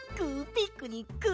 ピクニック！